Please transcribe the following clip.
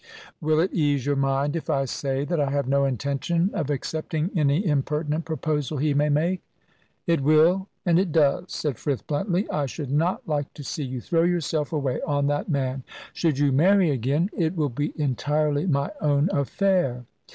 "Will it ease your mind if I say that I have no intention of accepting any impertinent proposal he may make?" "It will and it does," said Frith, bluntly. "I should not like to see you throw yourself away on that man. Should you marry again " "It will be entirely my own affair."